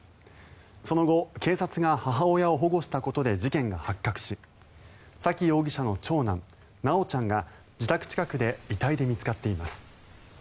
その後、警察が母親を保護したことで事件が発覚し沙喜容疑者の長男・修ちゃんが自宅近くで遺体で見つかっています。